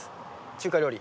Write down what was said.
中華料理。